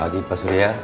pagi pak surya